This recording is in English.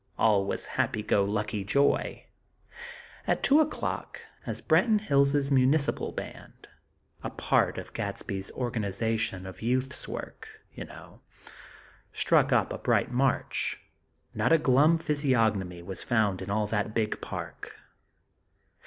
All was happy go lucky joy; and, at two o'clock, as Branton Hills' Municipal Band, (a part of Gadsby's Organization of Youth's work, you know) struck up a bright march, not a glum physiognomy was found in all that big park.